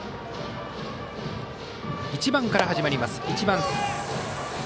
１番から始まります。